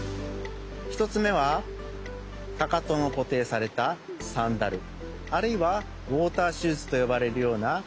１つめはかかとのこていされたサンダルあるいはウォーターシューズとよばれるようなくつです。